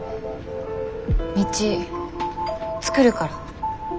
道作るから。